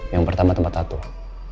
yang pertama tempat datang